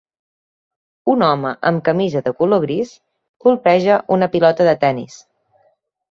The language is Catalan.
Un home amb camisa de color gris colpeja una pilota de tenis